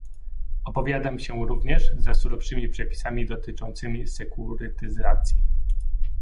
Opowiadam się również za surowszymi przepisami dotyczącymi sekurytyzacji